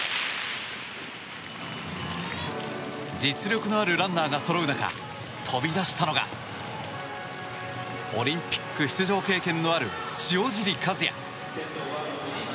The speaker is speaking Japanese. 実力のあるランナーがそろう中飛び出したのがオリンピック出場経験のある塩尻和也。